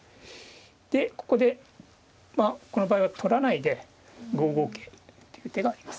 でここでこの場合は取らないで５五桂っていう手があります。